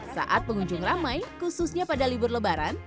saat pengunjung ramai khususnya pada libur lebaran